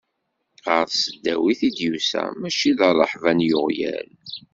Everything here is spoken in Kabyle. Ɣer tesdawit i d-yusa, mačči d rreḥba n yeɣyal.